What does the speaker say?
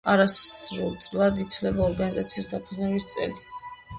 არასრულ წლად ითვლება ორგანიზაციის დაფუძნების წელი.